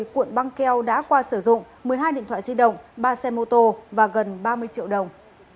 một mươi cuộn băng keo đã qua sử dụng một mươi hai điện thoại di động ba xe mô tô và gần ba mươi triệu đồng